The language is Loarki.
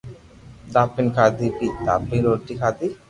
دھاپين کادي مي بي دھاپين روٽي کادي